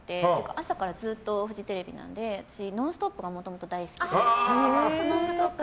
朝からずっとフジテレビなので私、「ノンストップ！」がもともと大好きで「ノンストップ！」